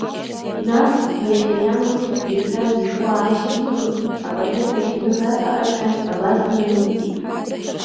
Нас, иахьа, иан лыхьӡ зирҳәаз ишәҟәы аашьҭихын, апатреҭ ахьаныз аҵаҟаҵәҟьа абас наниҵеит.